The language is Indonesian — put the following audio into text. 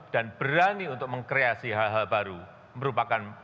dan berani untuk mengkreasi hal hal baru merupakan